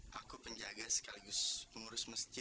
ya sudah kita masuk rumah